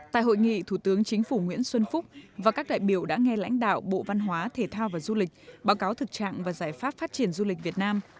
tại hội nghị thủ tướng chính phủ nguyễn xuân phúc và các đại biểu đã nghe lãnh đạo bộ văn hóa thể thao và du lịch báo cáo thực trạng và giải pháp phát triển du lịch việt nam